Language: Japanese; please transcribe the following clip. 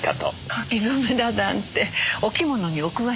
柿染めだなんてお着物にお詳しいのね。